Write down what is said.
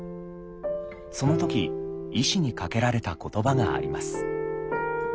その時医師にかけられた言葉があります。